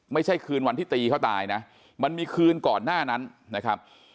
ไม่ใช่คืนวันที่ตีเขาตายนะมันมีคืนก่อนหน้านั้นนะครับ